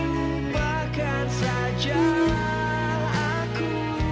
lupakan saja aku